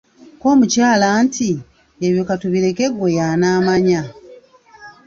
Kko omukyala nti, Ebyo katubireke ggwe y’anaamanya.